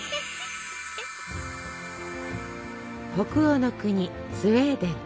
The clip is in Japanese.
北欧の国スウェーデン。